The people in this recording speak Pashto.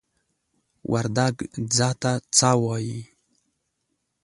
وردگ "ځه" ته "څَ" وايي.